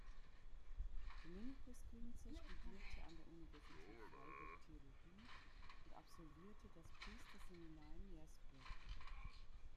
Dominikus Kuenzer studierte an der Universität Freiburg Theologie und absolvierte das Priesterseminar in Meersburg.